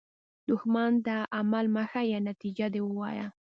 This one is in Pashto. دښمن ته عمل مه ښیه، نتیجه دې ووایه